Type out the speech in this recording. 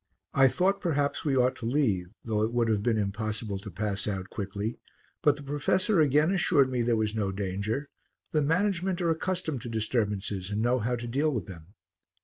I thought perhaps we ought to leave, though it would have been impossible to pass out quickly, but the professor again assured me there was no danger; the management are accustomed to disturbances and know how to deal with them.